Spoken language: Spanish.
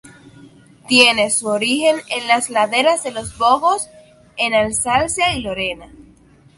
Tiene su origen en las laderas de los Vosgos en Alsacia y Lorena.